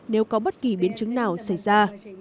nếu có bất kỳ biến chứng nào xảy ra